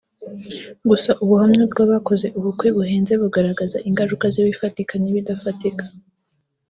gusa ubuhamya bw’abakoze ubukwe buhenze bugaragaza ingaruka z’ibifatika n’ibidafatika